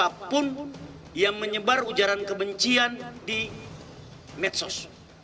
apapun yang menyebar ujaran kebencian di medsos